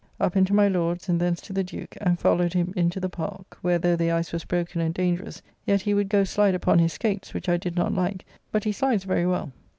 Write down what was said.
Up and to my Lord's and thence to the Duke, and followed him into the Park, where, though the ice was broken and dangerous, yet he would go slide upon his scates, which I did not like, but he slides very well.